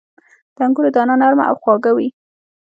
• د انګورو دانه نرمه او خواږه وي.